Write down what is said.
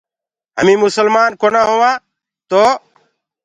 هميٚنٚ مسلمآن ڪونآ هووآنٚ تو